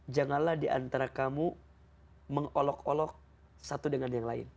janganlah diantara kamu mengolok olok satu dengan yang lain